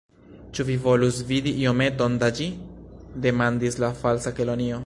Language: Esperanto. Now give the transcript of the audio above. "Ĉu vi volus vidi iometon da ĝi?" demandis la Falsa Kelonio.